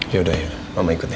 ya udah ya udah mama ikut ya